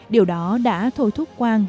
điều đó đã thối thúc quang